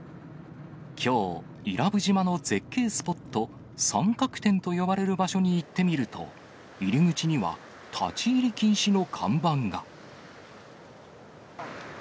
きょう、伊良部島の絶景スポット、三角点と呼ばれる場所に行ってみると、入り口には立ち入り禁止の看板が。